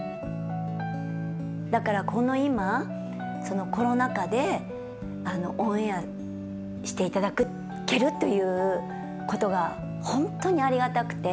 だからこの今コロナ禍でオンエアしていただけるということが本当にありがたくて。